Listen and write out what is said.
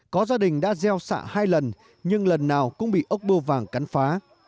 có gia đình đã gieo xạ hai lần nhưng lần nào cũng bị ốc bô vàng cắn phá